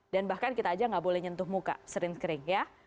dan bahkan anda tidak boleh menyentuh muka sering kering